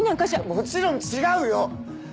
もちろん違うよ！